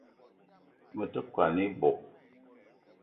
Me te kwan ebog